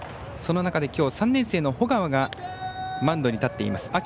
その中できょうは３年生の保川がマウンドに立っています。